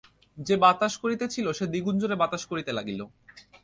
যে বাতাস করিতেছিল, সে দ্বিগুণ জোরে বাতাস করিতে লাগিল।